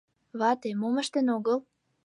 Вате... мом ыштен огыл...